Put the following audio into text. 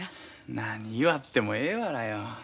何言わってもええわらよ。